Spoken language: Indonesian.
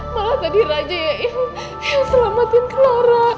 malah tadi raja yang selamatin clara